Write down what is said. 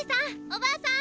おばあさん！